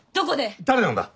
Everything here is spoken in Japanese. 誰なんだ？